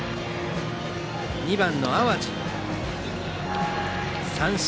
２番の淡路、三振。